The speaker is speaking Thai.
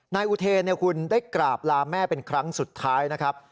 นายอุเทนคุณได้กราบลาแม่เป็นครั้งสุดท้ายนะครับ